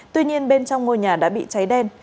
tuy nhiên bên trong ngôi nhà đã bị cháy đen